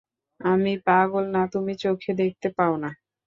আমি পাগল না তুমি চোখে দেখতে পাও না!